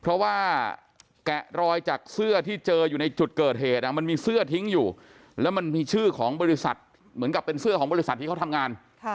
เพราะว่าแกะรอยจากเสื้อที่เจออยู่ในจุดเกิดเหตุมันมีเสื้อทิ้งอยู่แล้วมันมีชื่อของบริษัทเหมือนกับเป็นเสื้อของบริษัทที่เขาทำงาน